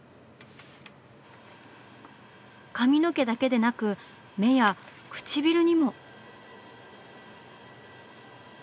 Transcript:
髪の毛だけでなく目や唇にも！